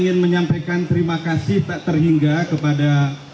ingin menyampaikan terima kasih tak terhingga kepada